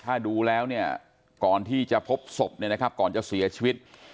ถ้าดูแล้วเนี่ยก่อนที่จะพบศพเนี่ยนะครับก่อนจะเสียชีวิต